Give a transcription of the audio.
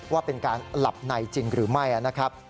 ว่าเป็นการหลับในจริงหรือไม่นะครับ